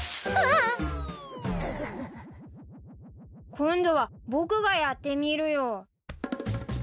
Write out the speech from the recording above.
今度は僕がやってみるよ。